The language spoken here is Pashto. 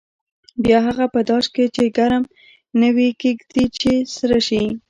بیا هغه په داش کې چې ډېر ګرم نه وي ږدي چې سره شي.